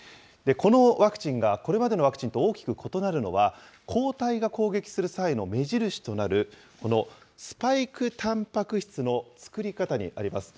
このワクチンがこれまでのワクチンと大きく異なるのは、抗体が攻撃する際の目印となる、このスパイクたんぱく質の作り方にあります。